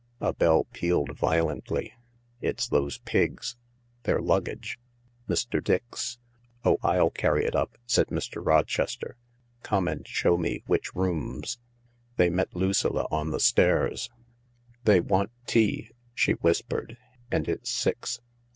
A bell pealed violently. " It's those Pigs— their luggage— Mr. Dix. ..."" Oh, I'll carry it up," said Mr. Rochester. " Come and show me which rooms." They met Lucilla on the stairs. " They want tea," she whispered, " and it's six.